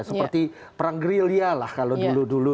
seperti perang grilya lah kalau dulu dulu